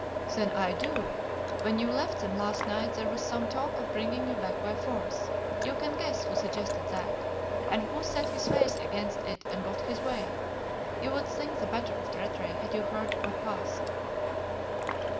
"Then I do. When you left them last night there was some talk of bringing you back by force. You can guess who suggested that and who set his face against it and got his way. You would think the better of Rattray had you heard what passed."